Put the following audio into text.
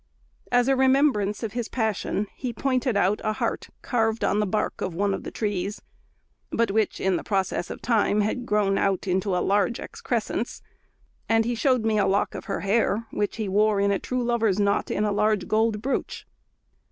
As a remembrance of his passion, he pointed out a heart carved on the bark of one of the trees; but which, in the process of time, had grown out into a large excrescence; and he showed me a lock of her hair, which he wore in a true lover's knot, in a large gold brooch.